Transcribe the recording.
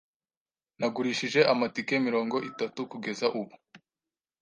Nagurishije amatike mirongo itatu kugeza ubu.